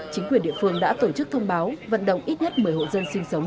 chính quyền địa phương đã tổ chức thông báo vận động ít nhất một mươi hộ dân sinh sống